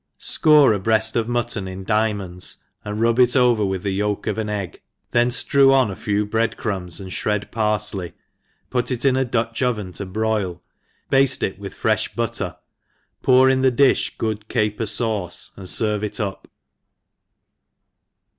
SCORE a breaft of mutton in diamonds^ and rub it over with the yolk of an cgg^ then ftrew onafewbred crimibs and ihred parfley, put it in a Dutch oven to broil, bafte it with fre(h but*^ ter, pour in the di£h good caper fauce» and ferve it up.